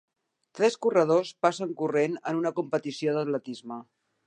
Tres corredors passen corrent en una competició d'atletisme.